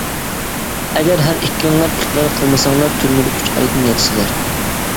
ئەگەر ھەر ئىككىڭلار ئىقرار قىلمىساڭلار تۈرمىدە ئۈچ ئايدىن ياتىسىلەر.